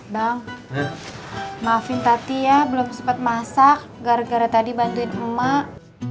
bang maafin tati ya belum sempat masak gara gara tadi bantuin emak